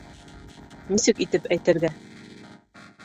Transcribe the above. — Нисек итеп әйтергә...